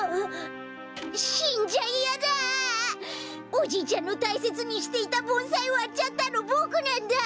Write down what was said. おじいちゃんのたいせつにしていたぼんさいわっちゃったのボクなんだ！